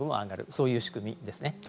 そういう仕組みですね。